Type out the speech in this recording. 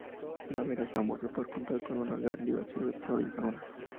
La Vera es famosa por contar con una gran diversidad de flora y fauna.